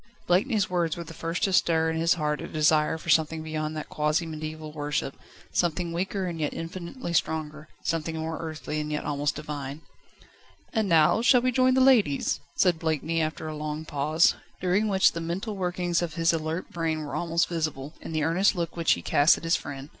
Blakeney's words were the first to stir in his heart a desire for something beyond that quasi mediaeval worship, something weaker and yet infinitely stronger, something more earthy and yet almost divine. "And now, shall we join the ladies?" said Blakeney after a long pause, during which the mental workings of his alert brain were almost visible, in the earnest look which he cast at his friend.